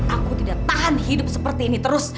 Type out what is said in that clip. aku tidak tahan hidup seperti ini terus